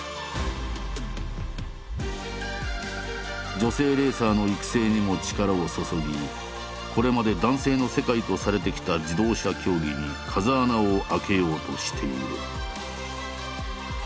女性レーサーの育成にも力を注ぎこれまで男性の世界とされてきた自動車競技に風穴を開けようとしている。